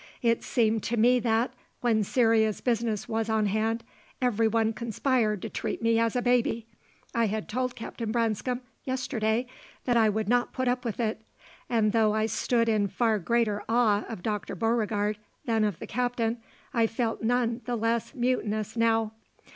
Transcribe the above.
It seemed to me that, when serious business was on hand, every one conspired to treat me as a baby. I had told Captain Branscome yesterday that I would not put up with it; and though I stood in far greater awe of Dr. Beauregard than of the Captain, I felt none the less mutinous now.